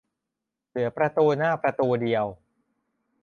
เหลือประตูหน้าประตูเดียว